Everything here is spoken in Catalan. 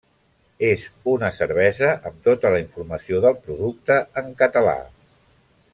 És una cervesa amb tota la informació del producte en català.